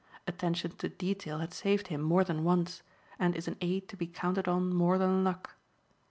Attention to detail had saved him more than once, and is an aid to be counted on more than luck.